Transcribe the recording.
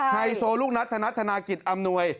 ไฮโซลูกนัทธนัดธนากิจอำนวย